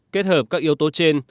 kết hợp các yếu tố trên